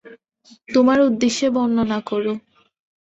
তোমার উদ্দেশ্য বর্ণনা করো।